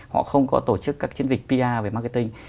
họ không có tổ chức các chiến dịch pr về marketing